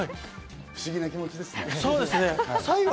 不思議な気持ちですね。